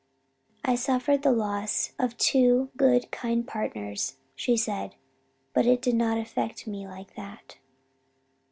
"'I suffered the loss of two good kind partners,' she said, 'but it did not affect me like that.'